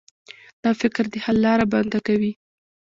دا فکر د حل لاره بنده کوي.